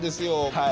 はい。